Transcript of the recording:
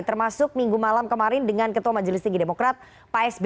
termasuk minggu malam kemarin dengan ketua majelis tinggi demokrat pak sby